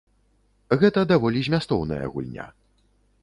Гэта даволі змястоўная гульня.